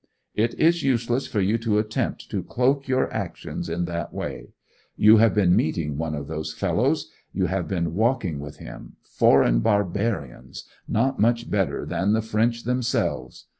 'It is useless for you to attempt to cloak your actions in that way. You have been meeting one of those fellows; you have been seen walking with him—foreign barbarians, not much better than the French themselves!